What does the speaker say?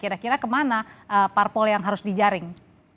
kira kira kemana parpol yang harus dijaring